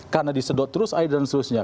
karena disedot terus air dan seterusnya